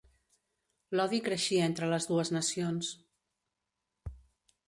L'odi creixia entre les dues nacions.